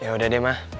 ya udah deh ma